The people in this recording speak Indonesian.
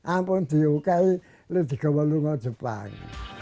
apabila diulang lebih baik untuk jepang